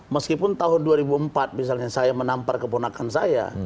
meskipun tahun dua ribu empat misalnya saya menampar keponakan saya